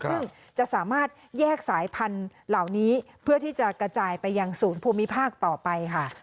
ซึ่งจะสามารถแยกสายพันธุ์เหล่านี้เพื่อที่จะกระจายไปยังศูนย์ภูมิภาคต่อไปค่ะ